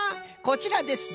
こちらです！